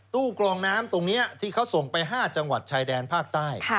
กรองน้ำตรงนี้ที่เขาส่งไป๕จังหวัดชายแดนภาคใต้